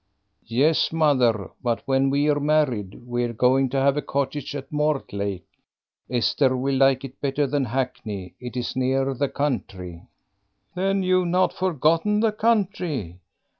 "Yes, mother; but when we're married we're going to have a cottage at Mortlake. Esther will like it better than Hackney. It is nearer the country." "Then you've not forgotten the country.